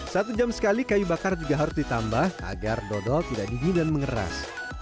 satu jam sekali kayu bakar juga harus ditambah agar dodol tidak dingin dan mengeras